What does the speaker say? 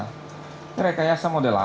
ini rekayasa model apa